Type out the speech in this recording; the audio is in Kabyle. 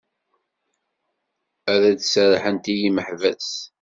Ad d-serrḥent i yimeḥbas.